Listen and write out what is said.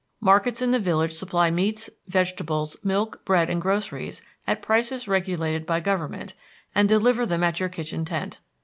Markets in the village supply meats, vegetables, milk, bread, and groceries at prices regulated by Government, and deliver them at your kitchen tent.